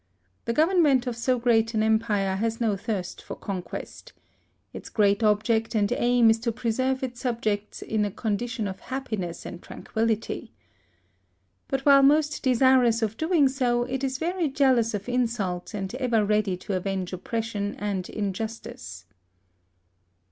The government of so great an Empire has no thirst for conquest. Its great object and aim is to preserve its subjects in a condition of happiness and tranquillity. But while most desirous of doing so, it is very jealous of insult, and ever ready to avenge oppression and injustice.